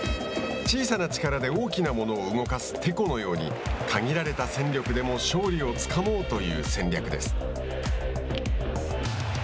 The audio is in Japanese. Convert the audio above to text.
小さな力で大きなものを動かすてこのように限られた戦力でも勝利をつかもうという戦略です。